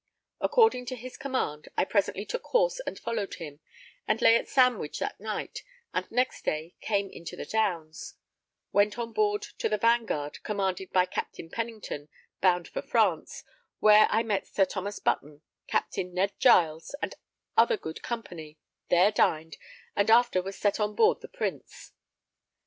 According to his command, I presently took horse and followed him, and lay at Sandwich that night, and next day came into the Downs; went on board to the Vanguard, commanded by Captain Pennington, bound for France, where I met Sir Thomas Button, Captain Ned Giles, and other good company; there dined, and after was set on board the Prince.